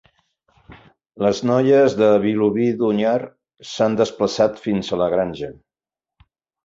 Les noies de Vilobí d'Onyar s'han desplaçat fins a la granja.